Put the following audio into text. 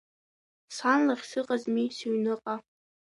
Сан лахь сыҟамзи, сыҩныҟа…